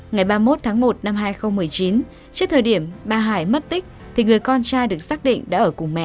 ngày ba mươi một tháng một năm hai nghìn một mươi chín trước thời điểm bà hải mất tích thì người con trai được xác định đã ở cùng mẹ